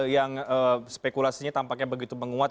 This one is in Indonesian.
yang spekulasinya tampaknya begitu menguat